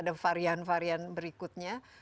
ada varian varian berikutnya